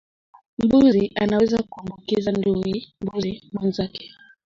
Mbuzi anaweza kumuambukiza ndui mbuzi mwenzake